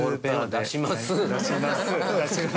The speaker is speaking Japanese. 出します。